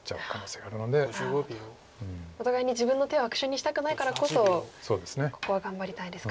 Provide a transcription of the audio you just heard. お互いに自分の手を悪手にしたくないからこそここは頑張りたいですか。